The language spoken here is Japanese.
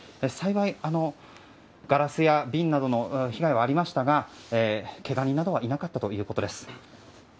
幸い、ガラスや瓶などの被害はありましたがけが人などはいなかったということです。